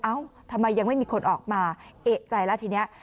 เอ้าทำไมยังไม่มีคนออกมาเอกใจแล้วทีนี้